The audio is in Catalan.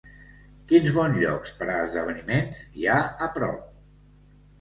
Quins bons llocs per a esdeveniments hi ha a prop?